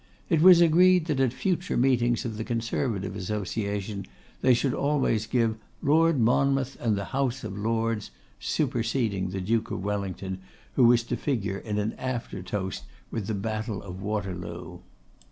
It was agreed that at future meetings of the Conservative Association, they should always give 'Lord Monmouth and the House of Lords!' superseding the Duke of Wellington, who was to figure in an after toast with the Battle of Waterloo.